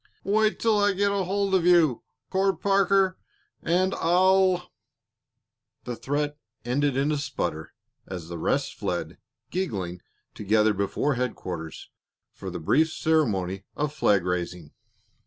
"Wait till I get hold of you, Court Parker, and I'll " The threat ended in a sputter as the rest fled, giggling, to gather before headquarters for the brief ceremony of flag raising.